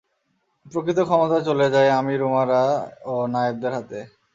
প্রকৃত ক্ষমতা চলে যায় আমীর-উমারা ও নায়েবদের হাতে।